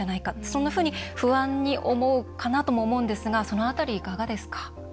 そんなふうに不安に思うかなとも思うんですがその辺り、いかがですか？